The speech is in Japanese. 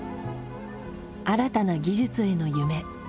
新たな技術への夢。